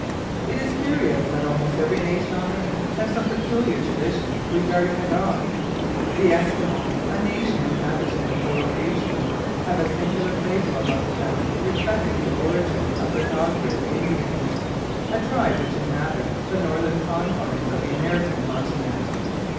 It is curious that almost every nation on earth has some particular traditions regarding the dog. The Esquimaux, a nation inhabiting the polar regions, have a singular fable amongst them respecting the origin of the Dog Rib Indians, a tribe which inhabits the northern confines of the American continent.